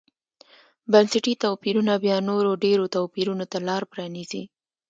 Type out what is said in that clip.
بنسټي توپیرونه بیا نورو ډېرو توپیرونو ته لار پرانېزي.